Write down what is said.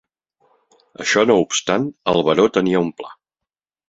Això no obstant, el baró tenia un pla.